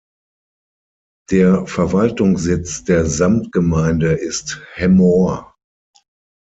Der Verwaltungssitz der Samtgemeinde ist Hemmoor.